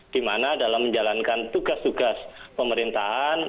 di mana dalam menjalankan tugas tugas pemerintahan